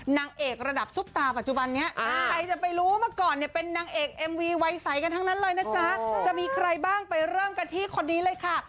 นางเอกระดับซุปตาปัจจุบันนี้